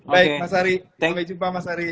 baik mas ari sampai jumpa mas ari